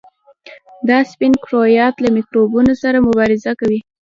دا سپین کرویات له میکروبونو سره مبارزه کوي.